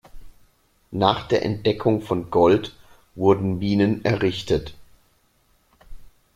Nach der Entdeckung von Gold wurden Minen errichtet.